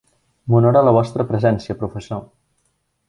M'honora la vostra presència, professor.